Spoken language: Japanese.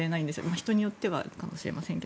人によってかは知れませんが。